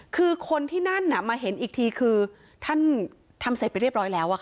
คือคนที่นั่นมาเห็นอีกทีคือท่านทำเสร็จไปเรียบร้อยแล้ว